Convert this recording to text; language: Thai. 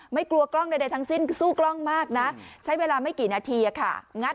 ไม่กลัวกล้องใดทั้งสิ้นสู้กล้องมากนะใช้เวลาไม่กี่นาทีค่ะงัด